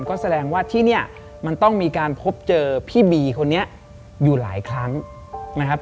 ก็แสดงว่าที่เนี่ยมันต้องมีการพบเจอพี่บีคนนี้อยู่หลายครั้งนะครับ